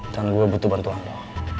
dan gue butuh bantuan lo